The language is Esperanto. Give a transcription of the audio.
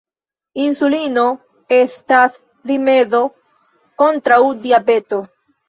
Insulino estas rimedo kontraŭ diabeto.